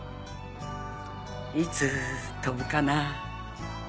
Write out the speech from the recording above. いつ飛ぶかなぁ？